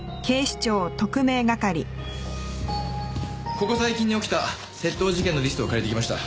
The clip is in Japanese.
ここ最近に起きた窃盗事件のリストを借りてきました。